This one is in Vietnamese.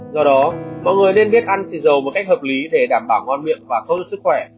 do đó mọi người nên biết ăn xì dầu một cách hợp lý để đảm bảo ngon miệng và thô sức khỏe